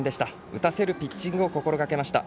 打たせるピッチングを心がけました。